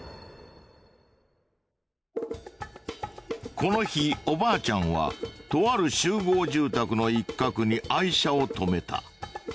この日おばあちゃんはとある集合住宅の一角に愛車を止めた。